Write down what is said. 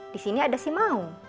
di sini ada si maung